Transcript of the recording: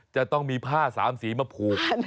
จะต้องมีผ้าสามสีมาผูก